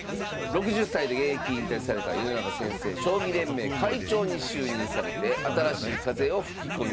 ６０歳で現役引退された米長先生将棋連盟会長に就任されて新しい風を吹き込みます。